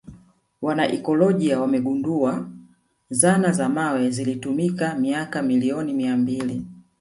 Wanaakiolojia wamegundua zana za mawe zilizotumika miaka milioni mbili